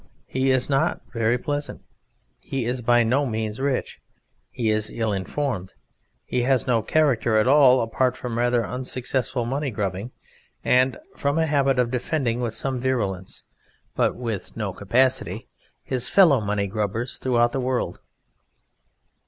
He is not very pleasant; He is by no means rich; He is ill informed. He has no character at all, apart from rather unsuccessful money grubbing, and from a habit of defending with some virulence, but with no capacity, his fellow money grubbers throughout the world.